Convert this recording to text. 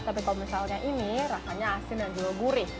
tapi kalau misalnya ini rasanya asin dan juga gurih